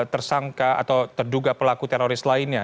tersangka atau terduga pelaku teroris lainnya